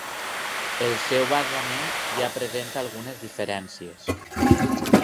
El seu basament ja presenta algunes diferències.